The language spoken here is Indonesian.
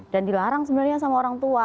dan dilarang sebenarnya sama orang tua